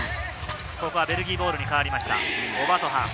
ここはベルギーボールにかわりました。